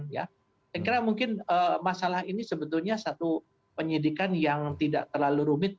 saya kira mungkin masalah ini sebetulnya satu penyidikan yang tidak terlalu rumit